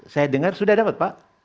saya dengar sudah dapat pak